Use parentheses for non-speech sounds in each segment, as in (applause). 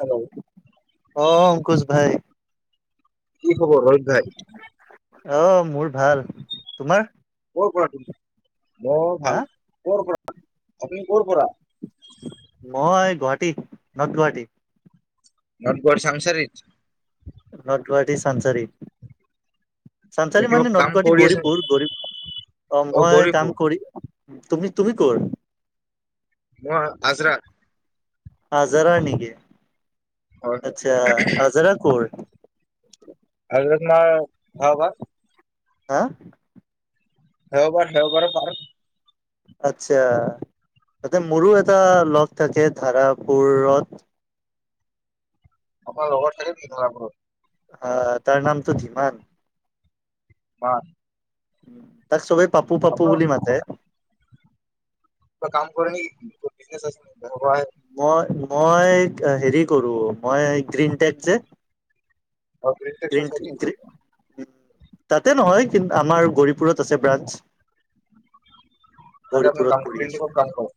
Hello অ অংকুশ ভাই। উম। খবৰ অধ্যাই (unintelligible) আহ মোৰ ভাল, তোমাৰ? ক কটোম (unintelligible) বৰ হা ভাল কৰ পৰা? আপুনি ক'ৰ পৰা? মই গুৱাহাটী, নৰ্থ গুৱাহাটী। নৰ্থ গুৱাহাটী চাংছাৰিত। নৰ্থ গুৱাহাটী চাংছাৰি। চাং এ ছাৰি কিবা মানে কাম নৰ্থ গুৱাহাটী কৰি আছে নেকি গৌৰীপুৰ গৌৰীপুৰ অ' মই কাম কৰি, তুমি -তুমি কৰ? মই আজৰা। আজাৰাৰ নিকি? হয় হয় আচছা আজাৰাৰ কৰ? (unintelligible) (unintelligible) হা, - দেওবাৰ - হেওবাৰ পাৰ আচ্ছা তাতে মোৰো এটা লগ থাকে ধাৰাপুৰত। আপোনাৰ লগৰ থাকে নিকি ধাৰাপোৰত? আহ তাৰ নামটো ধীমান। (unintelligible) উম, তাক চবেই পাপু -পাপু আপোনাৰ বুলি মাতে । কিবা কাম কৰে (unintelligible) মই, মই হেৰি কৰোঁ মই গ্ৰীণটেক যে, আৰু গ্ৰীণ টেক চচাইটিত (unintelligible) তাতে নহয় কিন্তু আমাৰ গৌৰিপুৰত আছে ব্ৰানচ। তাতে আপুনি কাম গৌৰীপুৰত কৰি গ্ৰীণ আছো টেকত কাম কৰে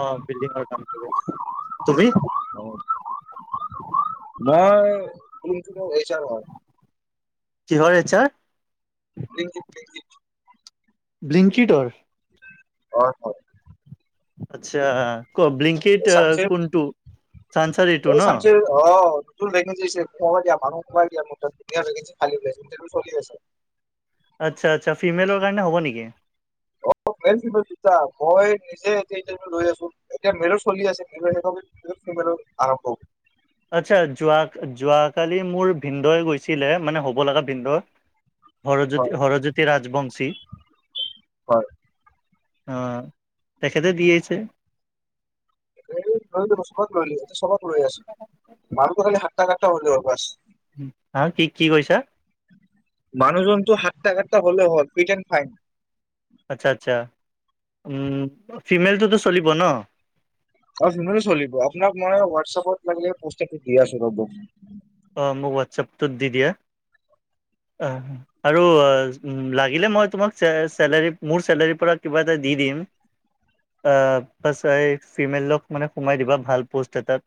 আহ, বিল্ডিঙৰ কাম কৰি তুমি? অ। মই কোনটো বা ৱে, এইচাৰ হয়। কিহৰ এইজচাৰ? (unintelligible) ব্লিংকিডৰ। হয়- হয় । আচ্ছা। ক' ব্লিংকিট কোনটো? চানচাৰ এইটো ন অহ চাংচাৰিৰ অ ' (unintelligible) আচ্ছা -আচ্ছা ফিমেলৰ কাৰণে হ'ব নেকি? অ ' মেইল - ফিমেল দুটা ।মই নিজে এতিয়া ইটাৰভিউ লৈ আছো এতিয়া মেলৰ চলি আছে এইটো শেষ হলে তেতিয়া ফিমেলৰ আৰম্ভ হব। আচ্ছা যোৱা -যোৱাকালি মোৰ ভিনদই গৈছিলে মানে হ'ব লগা ভিনদ, হৰজ্যো হয় -হৰজ্যোতি ৰাজবংশী । হয় অ তেখেতে দিয়েছে। এই ৰ বছত ৰিলি (unintelligible) চবক ৰৈ আছে মানুহটো খালি হ কতা কথা হলিব ক্লাছ। (unintelligible) হ কি কি কৈছা? মানুহজনটো হাত্টা খ্টা হলেও হয় ফিট এণ্ড ফাইন। আচ্ছা আচ্ছা উম ফিমেলটোতো চলিব ন? অ চলিব আপোনাক মই হোৱাটছআপত লাগিলে পইচাতো দি আছো ৰব। অঁ মোক হোৱাটছআপটোত দি দিয়া আৰু লাগিলে মই তোমাক চেলেৰী মোৰ চেলেৰীৰ পৰা কিবা এটা দি দিম বাছ ফিমেলক মানে সোমাই দিবা ভাল প'ষ্ট এটাত।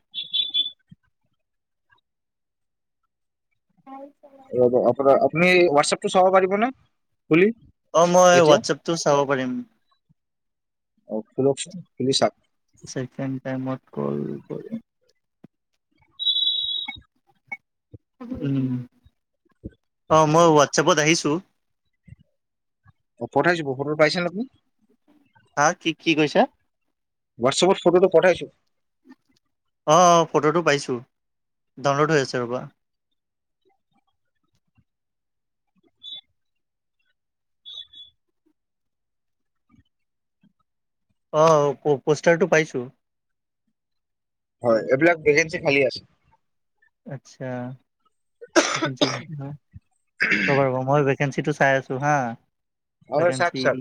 আৰু ৰব আপুনি হোৱাটছএপটো চাব পাৰিবনে? খুলি অ মই এতিয়া হোৱাটছপটো চাব পাৰিম। খোলিচাক। ছেকেণ্ড তাইমত কল কৰি উ অ মই হোৱাটছাপত আহিছো। অ পঠাইছো বহুতৰ পাইছে ন আপুনি? হা কি 'কি কৈছা? হোৱাটছএপত ফটোটো পঠাইছো। অ অ ফটোটো পাইছো। ডাউনলোড হৈআছে ৰ'বা। আহ পোষ্টাৰটো পাইছো। হয় এইবিলাক ভেকেঞ্চি খালী আছে। আচ্ছা। ৰ'বা ৰ'বা মই ভেকেঞ্চিটো চাই আছো। চুহা। হয় চাওক ভেকেঞ্চি, চাওক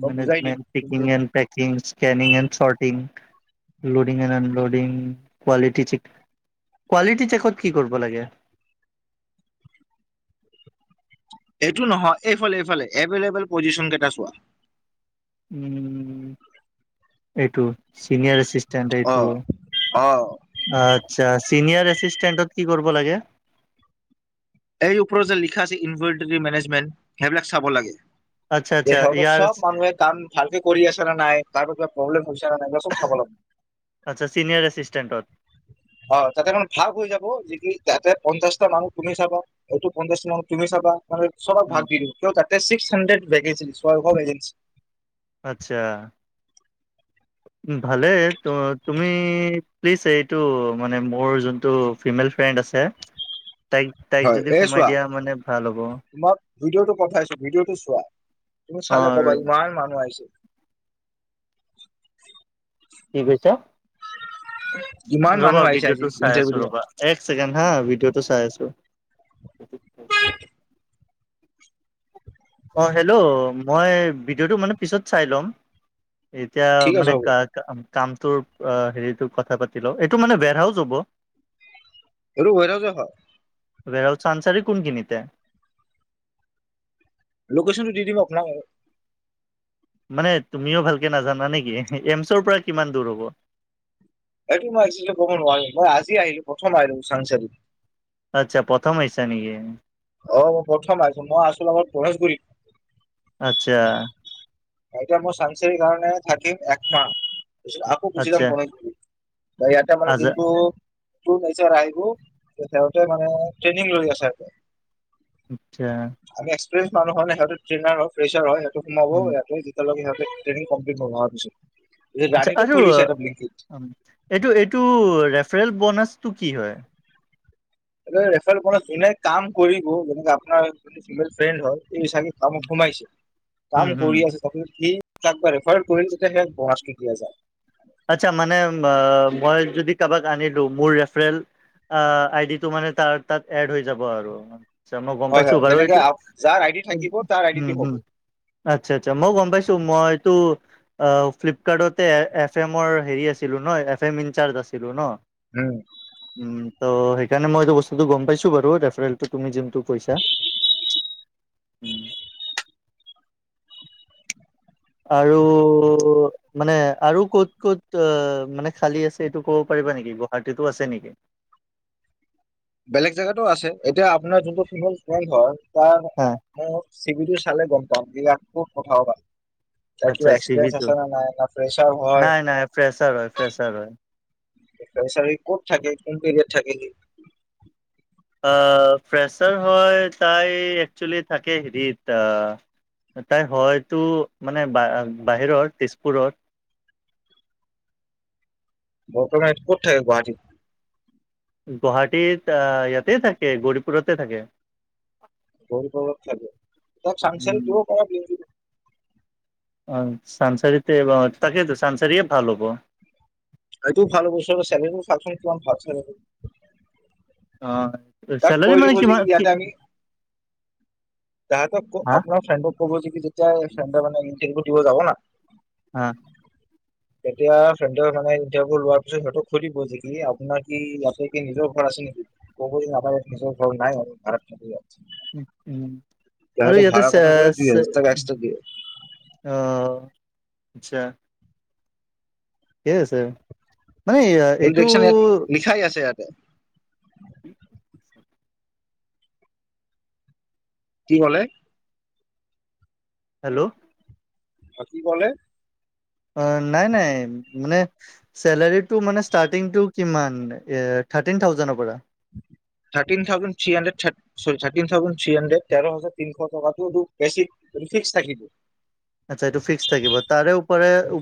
মই বুজাই দিম মেনেজমেণ্ট, কিন্তু টেক্নিনিকেন, ক্সেনিং এন্দ থাৰতিন। লডিং এলডিং কোৱালিটি কোৱালিটি কি কৰিব লাগে। এইটো নহয় এইফালে এইফালে এভেইলেবেল পজিশন কেইটা চোৱা। উম এইটো। চিনিয়ৰ এচিষ্টেণ্ট অ এইটো অ আচ্ছা চিনিয়ৰ এচিষ্টেণ্টয় কি কৰ কৰিব লাগে এই ওপৰত যে লিখা আছে ইনভলিটী মেনেজমেণ্ট সেইবিলাক চাব লাগে। আচ্ছা আচ্ছা ত ইয়াৰ চব মানুহে কাম ভালকে কৰি আছে নে নাই তাৰ পৰা কিবা প্ৰব্লেম হৈছে ন নাই কিবা চব চাব লাগব আচ্ছা চিনিয়ৰ এচিষ্টেণ্টত অ তাতে মানে ভাগ হৈ যাব য কি তাতে পঞ্চাছটা মানুহ তুমি চাবা। এইটো পঞ্চাশ মানু তুমি চাবা। চবক উম ভাগ দি দ কিয় তাকে ছিক্স হানড্ৰেড ভেকেঞ্চি আচ্ছা ভালেই তুমি প্লিজ এইটো মানে মোৰ যোনটো ফিমেল ফ্ৰেণ্ড আছে তাইক তাইক হয় যদি ।এ সোমাই চোৱা দিয়া মানে ভাল হ'ব তোমাক ভিডিঅ'টো পঠাইছো ভিডিঅ'টো চোৱা তুমি অ চালে কবা ইমান মানুহ আহিছে। কি কৈছ? ইমান ৰবা মানুহ আহিছে আজি ভিডিঅ'টো চাই ইণ্টাৰভিউ আছো দিব ৰবা এক ছেকেণ্ড হা ভিডিঅ'টো চাই আছো। পেক অ হেল্ল' মই ভিডিঅ'টো মানে পিছত চাই ল'ম এতিয়া ঠিক আছে মানে হ'ব কা কা কামটোৰ হেৰিটো কথা পাতি লওঁ এইটো মানে বে়ৰহাউজ হ'ব। এইটো বেৰহাউজ এ হয়। বেৰাও চানচাৰি কোনখিনিতে‌? লোকেশ্যন টো দি দিম আপোনাক বাও মানে তুমিও ভালকে নাজানা নেকি এমচৰপৰা কিমান দূৰ হ'ব? এইটো মই এক্সেলি কব নোৱাৰো মই আজি আহিলো প্ৰথম আহিলো চানচাৰিত আচ্ছা প্ৰথম আহিছা নেকি? অ মই প্ৰথম আহিছো মই আছিলো আগত পৰেশগুৰিত আচ্ছা এটা মোৰ চানসাৰীৰ কাৰণে থাকিম এক মাহ আকৌ গুছি আচ্ছা যাম গণেশগুৰিত বা ইয়াতে মানে আজা কিন্তু টো হৈছে ৰাইবো সিহঁতে মানে ট্ৰেনিং লৈ আছে আগত আচ্ছা প্ৰেচ মানুহ হ'লে সেতো ট্ৰেইনাৰ হয় প্ৰেচাৰ হয় ত সোমাব উম এয়াত দিব লাগে আৰু ট্ৰেনিং কমপ্লিট হোৱা পাছত আচছা আৰু এইটো এইটো ৰেফাৰেল বনাছ টো কি হয় মানে ৰেফাৰেল বনাছ‌ যোনে কাম কৰিব যেনেকে আপোনাৰ য ফিমেল ফ্ৰেণ্ড হয় । এই চাগে কামত সোমাইছে উম কাম হম কৰি আছে তাকো সি তাক ৰেফাৰেল কৰিম তেতিয়া হে (unintelligible) পোৱা যায় আচ্ছা মানে মা মই যদি কাৰবাক আনিলো মোৰ ৰেফাৰেল আ আইদি তো মানে তাৰ তাত এড হৈ যাব যাব আৰু আচ্ছা মই গম হয় পাইছোঁ হয় বাৰু যেনেকে এইটো যাৰ আইডি উ থাকিব তাৰ আইডিটো হ'ব হম আচ্ছা আচ্ছা মই গম পাইছোঁ মই এইটো অ ফ্লিপকাৰ্টতে এ এফ ফেমৰ হেৰি আছিলো ন এফ এম ইনচাৰ্জ আছিলো ন উম উম ত সেই সেইকাৰণে মই এই বস্তু গম পাইছো বাৰু ৰেফাৰেল তুমি জিম টো পইছা উম আৰু মানে আৰু ক'ত ক'ত অ মানে খালী আছে এইটো ক'ব পাৰিবা নেকি গুৱাহাটীতো আছে নেকি? বেলেগ জেগাতো আছে এতিয়া আপোনাৰ যোনটো ফিমেল (unintelligible) তাৰ চিবিলটো চালে গম পাম এই খুব কথাও ভাল আচ্ছা চি বি তো ফ্ৰেচাৰ হয় নাই নাই ফ্ৰেছাৰ হয় ফ্ৰেছাৰ হয়। চাৰী ক'ত থাকে কোন এৰিয়াট থাকে সি? আ ফ্ৰেছাৰ হয় তাই একচুৱেলি থাকে হেৰিত তাই হয়তো মানে বাহিৰৰ তেজপুৰত বৰ্তমান এই ক'ত থাকে গুৱাহাটীত। গুৱাহাটীত ইয়াতে থাকে গৌৰিপুৰতে থাকে। গৌৰীপুৰত থাকে, ত চাংচাৰ উম দিব পৰা অঁ চানচাৰিতে তাকেইতো চানচাৰীয়ে ভাল হ'ব। এইটোও ভাল বছু চে ভাবচোন কিমান ভাব চ অঁ তাক কৈ দিব যে ইয়াতে আমি, তাহ তকাৰ হা আপুনাৰ ফ্ৰেড ক'ব যে যেতিয়া ফ মানে ই দিব যাব না হা তেতিয়া ফ্ৰেডৰানে ইণ্টাৰভিউ লোৱাৰ পিছত সিহঁতক সৈ দিব যে কি আপোনাৰ কি ইয়াতে কি নিজৰওৰত আছে নেকি ক'ব ন ব স নাই আৰু ভাৰত চ আৰু উ উ আৰু ইয়াতে ভাড়াৰ চ কথা ক'লে দুই হাজাৰ টকা উ এক্সট্ৰা দিয়ে আহ আচ্ছা। ঠিকে আছে। নাই এইটো। দেখছা ইয়াত (unintelligible) উম। কি হলে? হেল্ল'। আৰু কি কলে? অঁ নাই নাই মানে চেলাৰীটো মানে ষ্টাৰ্টিংটো কিমান থাৰ্টিন থাউজেডৰ পৰা চ থাৰ্টিন থাউজেণ্ড থ্ৰী হাণ্ড্ৰেড তেৰ হাজাৰ তিনিশ টকাটো বেছি ফিক্স থাকিব। আচ্ছা এইটো ফিক্স থাকিব তাৰে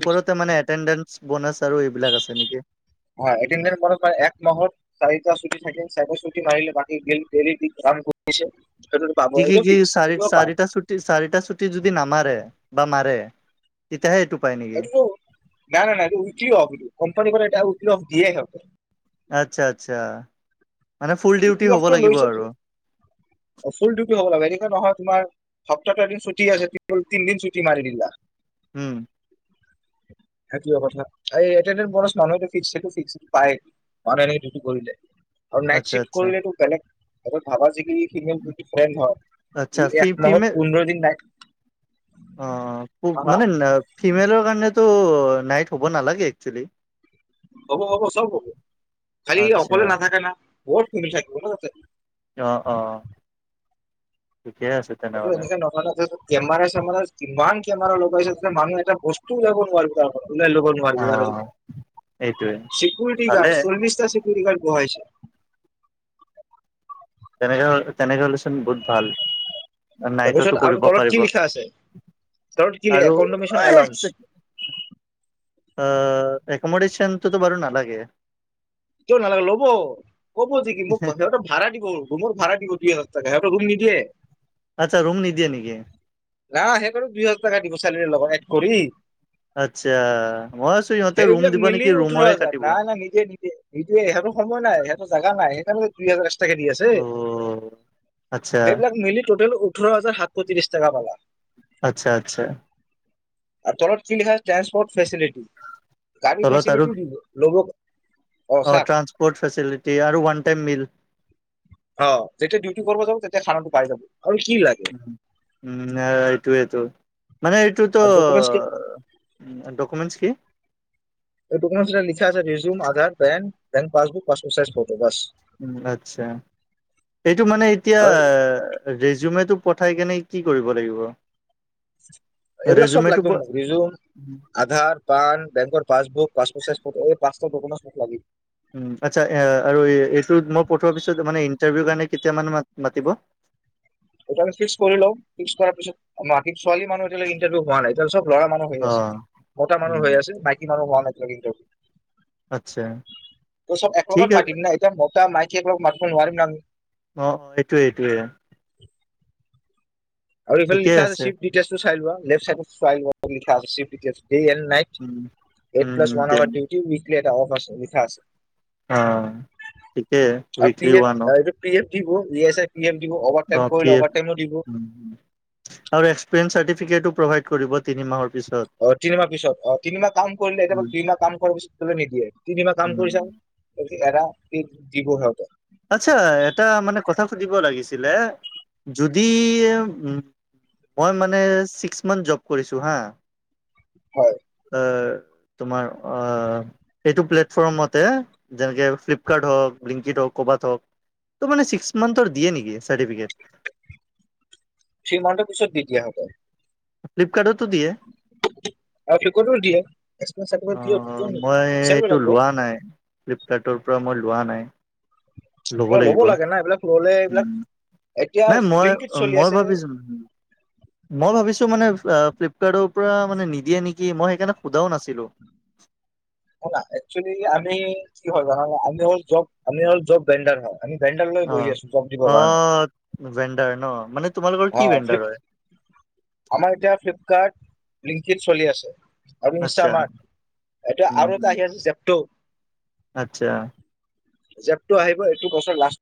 ফিক্স মানে এটেণ্ডেস ব । হয় (unintelligible) এক মাহত চাৰিটা ছুটি থাকে! চাই চুি মাৰি গ পেছে কি কি কি চাৰি চাৰিটা চাৰিটা ছুটি যদি নামাৰে। মাৰে তেতিয়াহে এইটো। পায় নেকি? নাই নাই নাই এইটো ৱেকলি হব্ এইটো কোম্পানীৰ পৰা। ক কফ দিয়ে খ আচ্ছা আচ্ছা। মানে ফুল ডিউটি হ'ব লাগিব আৰু ফুল ডিউটি হব লাগে। নহয় তোমাৰ সপ্তাহটো এদিন ছুটি আছে তিনিদিন ছুটি মাৰি দিলা। উম। সেইটো য়ে কথা এই এ বৰ মানুহ ফস সেইটো ফ্সটো পায় মানুহ এনে কৰিলে। আৰু নাইট আচ্ছা চীফ আচ্ছা। কৰিলেতো বেলেগ। অকল ভাবা যিখিনি ফিমেল ডিফাৰেণ্ট হয় আচ্ছা ই ফি এক মাহত ফিমেল পোন্ধৰ দিন নাই। অ' মানে ফিমেলৰ কাৰণে টো নাইট হ'ব নালাগে একচোৱেলি। হ'ব, হ'ব চব হ'ব খালি আচ্ছা অকলে নাথাকে না। বহুত শুনি থাকো ন। অ', অ'। ঠিকে আছে এনে তেনেহ'লে। এনকে নহয় ন, কেমেৰা চেমেৰা কিমান কেমেৰা লগাইছে মানুহ এটা পষ্ট -তে কৰিব নোৱাৰিব তাৰ পৰা। ওলাই লব অ নোৱাৰিব এইটোৱে আও চিকুৰীটি ভালে গাৰ্ড চিকুৰোটি গাৰ্ড বহাইছে। তেনেকে -তেনেকে হ'লেচোন বহুত ভাল। নাইটতো তাৰপিছত আৰু কৰিব তলত পাৰিব কি লিখা আছে তলত কি আৰু এনডমচন এলাউন্ছ? অ' এককমোডেশনটো ত বাৰু নালাগে। কিয় নালাগে ল'ব- ক'ব, যে কি মোক সিহতে ভাড়া দিব ত মোৰ ভাড়া দিব দুই হাজাৰ সিহঁতৰ ৰুম নিদিয়ে। আচ্ছা ৰুম নিদিয়ে নেকি অ' সেইকাৰণে দুই হাজাৰ টকা দিব। চালাৰিৰে লগত এক কৰি আচ্ছা! মই আছো ইহঁতে ৰুম সেইবিলাক দিব মিলি নেকি ৰুমৰে কাটিব। এয়ে ইহঁতৰ সময় নাই, সিহত জাগা একেলগে দুইহাজাৰ আছে। দি আছে অ আচ্ছা সেইবিলাক মিলি টটেল ওঠৰ হাজাৰ সাতশ ত্ৰিশ টকা পাবা। আচ্ছা আচ্ছা আৰু তলত কি লিখা ট্ৰেন্সপোৰ্ট ফেচিলিটি? গাড়ী তলত আৰু ফেচিলিটি দিব ল'ব। অ' ট্ৰানসপ'ৰ্ট ফেচিলিটি আৰু ওৱান টাইম মিল। অ' যেতিয়া ডিউটি কৰব যাব তেতিয়া খানাটো পাই যাব। আৰু কি লাগে উ'ম এইটোৱেটো। মানে এইটোতো আৰু ডকুমেণ্টছ ডকুমণ্ট কি? ডকুমেণ্টছ লিখা আছে resume Aadhaar PAN passbook, passport size photo. বাছ উ'ম আচ্ছা, এইটো মানে এতিয়া আৰু ৰেজিওমেটো পঠাই কেনে কি কৰিব লাগিব? এইবিলাক চব ৰেজুমেটো প লাগিব মোক ৰিজুম আধাৰ পান বেংকৰ পাছবুক। পাঁচ পট চাইজ ফটো এই পাঁটা দোকমেন ফটো লাগি আচ্ছা আৰু এইটো মই পঠোৱাৰ পিছত মানে ইণ্টাৰভিউ কাৰণে কেতিয়া মানুহ মাতিব। টো ফিক্স কৰি লওঁ ফিক্স কৰাৰ পিছত মাতিম। ছোৱালী মানুহৰ এতিয়ালৈকে ইন্টাৰভিউ হোৱা এতিয়া চব লৰা মানুহ হৈ আছে। অ', মতা মানুহ উম, হৈ আছে মাইকী মানুহ হোৱা নাই। লগ ইন আচ্ছা কৰি তই চব এক ঠিক লগত আছে মাতিম না এতিয়া মতা নাই। কে মাত ব নোৱাৰিম না আমি অ অ এইটোয়ে এইটোয়ে আৰু এইফালে লিখা আছে চিপ দিতেলছটো চাই লোৱা। লেফ্ট চাইড লিখ আছে shift details day and night um, eight um, plus one the hour duty ওইঠ (unintelligible) এটা অৱ আছে, লিখা আছে। অ ঠিকে ওৱিক ওৱানত উলিয়াই ছে (unintelligible) পি এম দিব অভাটাইম কৰিলে এফ অভাটাইমো দিব। (unintelligible) আৰু এস্কপ্ৰিয়েছ চাৰ্টিফিকেট প্ৰভাইট কৰিব। তিনি মাহৰ পিছত। অ তিনিমাহ পিছত, অ তিনিমাহ কাম কৰিলে এতিয়া উম, বোলে দুমাহ কাম কৰাৰ পিছত ত নিদিয়ে, তিনিমাহ কাম কৰি চাং। উম, এৰা জীৱ সৈতে দিব লাগিছিলে, যদি মই মানে ছিক্স মান্থৰ জব কৰিছো হা। হয় (unintelligible) অ তোমাৰ এইটো প্লেটফৰ্মতে যেনেকে ফ্লিপকাৰ্ট হওক লিংকত হওক। কবাত হওক ত মানে ছিক্স মাম্থৰ দিয়ে নেকি চাৰ্টিফিকেট (unintelligible) ত্ৰীমাণ্ঠ পিছত দি দিয়া হব (unintelligible) ফ্লিপকাৰ্টত। আৰু টিকতো দিয়ে। এক্সপেৰিয়েঞ্চ চাৰ্টিফিকেট অ দিয়ে কিয় নিদিয়ে মই বিচাৰিব এইটো লাগিব লোৱা নাই। ফ্লিপকাৰ্টৰ পৰা মই লোৱা নাই। লব এইবিলাক লাগিব লাগে না এইবিলাক ল'লে উ এইবিলাক এতিয়া নাই মই ব্লিংকিত চলি মই আছে ভাবিছো মই ভাবিছো মানে, ফ্লিপকাৰ্টৰ পৰা মানে নিদিয়ে নেকি মই সেইকাৰণে শুধাও নাছিলো। একচেলি আমি কি হয় জান আমি জব আমি জব বেণ্ডাৰ হয়। আমি ভেণ্ডাৰ লৈ অ বহি আছো জব দিবৰ অ কাৰণে ভেণ্ডাৰ (unintelligible) ন মানে (unintelligible) অ ভেণ্ডাৰ ফিপ হয় আমাৰ এতিয়া ফ্লিপকাৰ্ট। লিংকিত চলি আছে। আৰু আচ্ছা ইনষ্টামাৰ্ট এয়া উম আৰু উম এটা আহি আছে জেপটো (unintelligible) আচ্ছা। জেপটো আহিব, এইটো বছৰ লাষ্ট